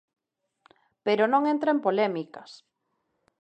Pero non entra en polémicas.